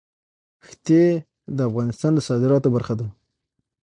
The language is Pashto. ښتې د افغانستان د صادراتو برخه ده.